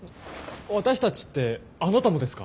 私たちってあなたもですか？